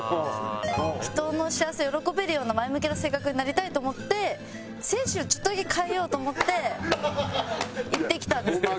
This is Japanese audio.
人の幸せを喜べるような前向きな性格になりたいと思って精神をちょっとだけ変えようと思って行ってきたんですけど。